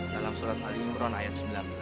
dalam surat al imron ayat sembilan belas